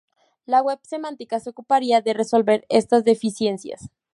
La web semántica se ocuparía de resolver estas deficiencias.